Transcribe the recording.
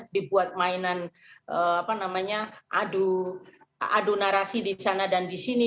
dibuat mainan adu narasi di sana dan di sini